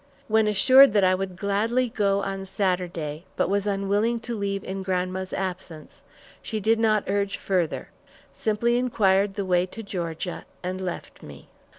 When assured that I would gladly go on Saturday, but was unwilling to leave in grandma's absence, she did not urge further, simply inquired the way to Georgia, and left me.